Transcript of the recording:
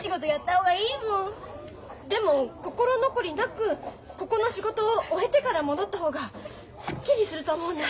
でも心残りなくここの仕事を終えてから戻った方がすっきりすると思うな。